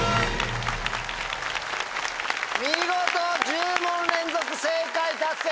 見事１０問連続正解達成！